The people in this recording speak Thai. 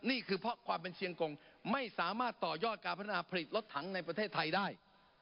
นี่คือเพราะความเป็นเชียงกงไม่สามารถต่อยอดการพัฒนาผลิตรถถังในประเทศไทยได้